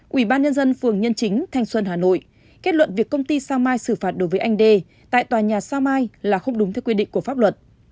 ủy ban nhân dân phường nhân chính thanh xuân hà nội kết luận việc công ty sao mai xử phạt đối với anh đê tại tòa nhà sao mai là không đúng theo quy định của pháp luật